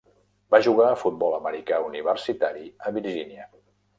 Va jugar a futbol americà universitari a Virgínia.